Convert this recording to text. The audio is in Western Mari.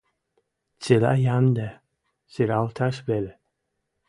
Цилӓ йӓмдӹ, сирӓлтӓш веле.